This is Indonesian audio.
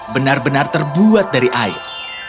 benar benar terbuat dari air